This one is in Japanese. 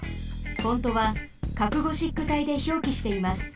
フォントは角ゴシック体でひょうきしています。